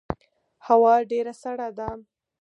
هوا ډیره سړه ده